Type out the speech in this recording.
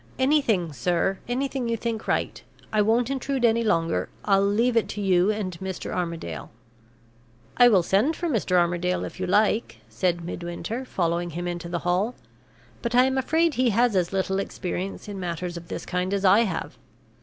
"Anything, sir anything you think right. I won't intrude any longer; I'll leave it to you and Mr. Armadale." "I will send for Mr. Armadale, if you like," said Midwinter, following him into the hall. "But I am afraid he has as little experience in matters of this kind as I have.